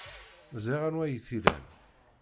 Ẓriɣ anwa ay t-ilan.